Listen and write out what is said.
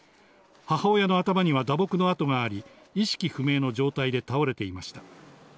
母親の頭には打撲の痕があり、意識不明の状態で倒れていました。